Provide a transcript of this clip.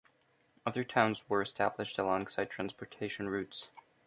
Other towns were established alongside transportation routes.